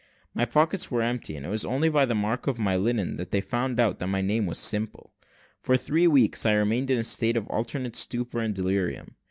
My pockets were empty, and it was only by the mark on my linen that they found that my name was Simple. For three weeks I remained in a state of alternate stupor and delirium.